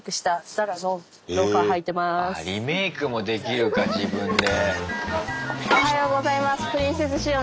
あリメイクもできるか自分で。